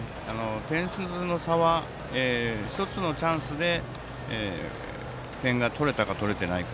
点数の差は１つのチャンスで点が取れたか取れてないか。